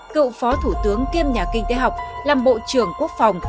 cựu phó thủ tướng kiêm nhà kinh tế học làm bộ trưởng quốc phòng